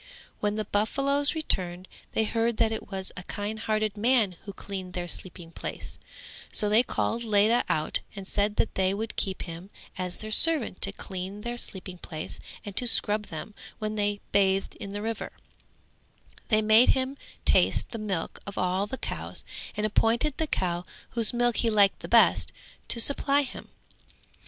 When the buffaloes returned they heard that it was a kindhearted man who cleaned their sleeping place; so they called Ledha out and said that they would keep him as their servant to clean their sleeping place and to scrub them when they bathed in the river; they made him taste the milk of all the cows and appointed the cow whose milk he liked best to supply him.